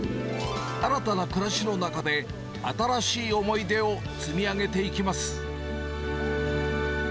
新たな暮らしの中で、新しい思い出を積み上げていきます。